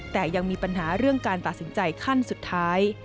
แต่ยังมีปัญหาเรื่องการตัดสินใจขั้นสุดท้าย